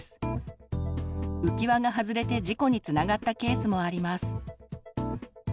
浮き輪が外れて事故につながったケースもあります。